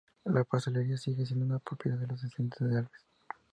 La pastelería sigue siendo propiedad de los descendientes de Alves.